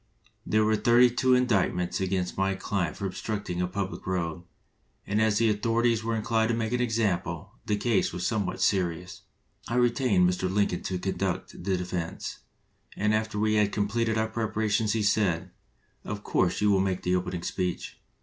"There were thirty two indictments against my client for obstructing a public road, and as the authorities were inclined to make an example, the case was somewhat serious. I retained Mr. Lin coln to conduct the defense, and after we had completed our preparations he said, 'Of course you will make the opening speech.'